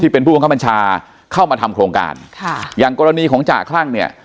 เป็นผู้บังคับบัญชาเข้ามาทำโครงการค่ะอย่างกรณีของจ่าคลั่งเนี่ย